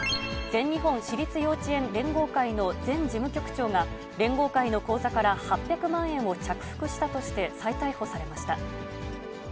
全日本私立幼稚園連合会の前事務局長が、連合会の口座から８００万円を着服したとして再逮捕されました。